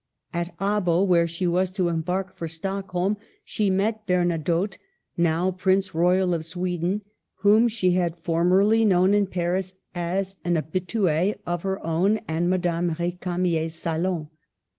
At Abo, where she was to embark for Stockholm, she met Bernadotte, now Prince Royal of Swe den, whom she had formerly known in Paris as an habituS of her own and Madame R^camier's salon.